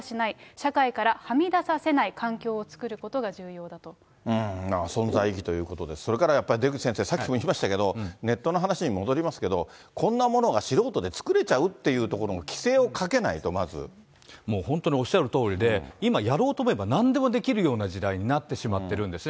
社会からはみ出させない環境を作存在意義ということ、それからやっぱり出口先生、さっきも言いましたけれども、ネットの話に戻りますけど、こんなものが素人で作れちゃうっていうところの規もう本当におっしゃるとおりで、今、やろうと思えば、なんでもできるような時代になってしまっているんですね。